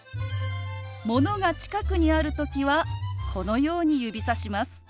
ものが近くにある時はこのように指さします。